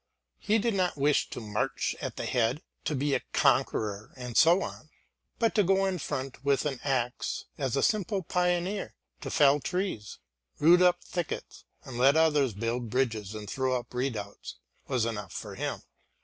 He did not wish to march at the head, to be a conqueror and so on. But to go in front with an axe as a simple pioneer, to fell trees, root up thickets, and let others build bridges and throw up redoubts, was enough for him.